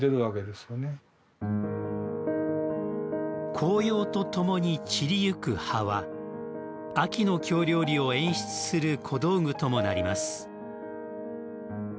紅葉とともに散りゆく葉は秋の京料理を演出する小道具ともなります。